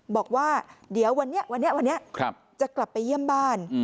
บอกว่าเดี๋ยววันนี้วันนี้จะกลับไปเยี่ยมบ้าน